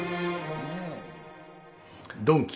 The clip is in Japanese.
ドンキ。